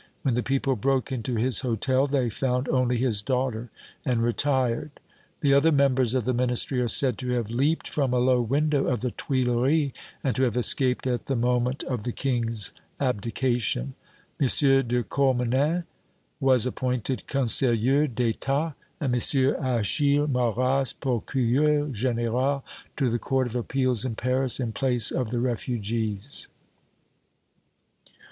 When the people broke into his hôtel, they found only his daughter, and retired. The other members of the Ministry are said to have leaped from a low window of the Tuileries, and to have escaped at the moment of the King's abdication. M. de Cormenin was appointed Conseilleur d'État and M. Achille Marrast Procureur General to the Court of Appeals in Paris, in place of the refugees.